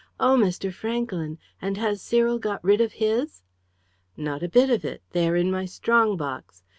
oh, Mr. Franklyn! And has Cyril got rid of his?" "Not a bit of it. They are in my strongbox.